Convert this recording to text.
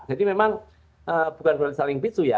jadi memang bukan berarti saling pisu ya